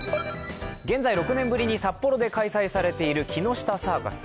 現在６年ぶりに札幌で開催されている木下サーカス。